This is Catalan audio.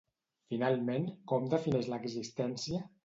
Finalment, com defineix l'existència?